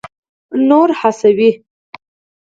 نور هڅوي.